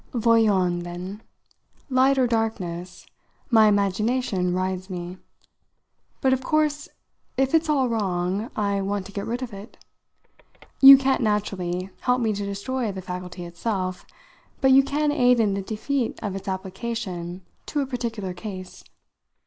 "Voyons, then. Light or darkness, my imagination rides me. But of course if it's all wrong I want to get rid of it. You can't, naturally, help me to destroy the faculty itself, but you can aid in the defeat of its application to a particular case.